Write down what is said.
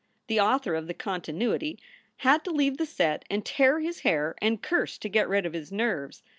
The author of the continuity had to leave the set and tear his hair and curse to get rid of his nerves.